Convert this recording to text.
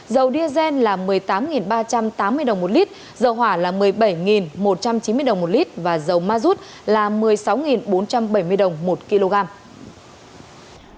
dầu diazen là một mươi tám ba trăm tám mươi đồng một lit dầu hỏa là một mươi bảy một trăm chín mươi đồng một lit và dầu mazut là một mươi sáu bốn trăm bảy mươi đồng một lit